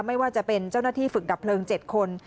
ไม่ว่าจะเป็นเจ้าหน้าที่ฝึกดับเพลิง๗คน